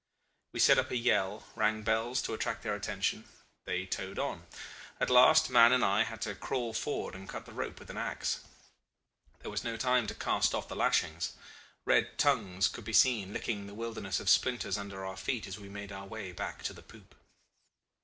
We set up a yell; rang bells to attract their attention; they towed on. At last Mahon and I had to crawl forward and cut the rope with an ax. There was no time to cast off the lashings. Red tongues could be seen licking the wilderness of splinters under our feet as we made our way back to the poop.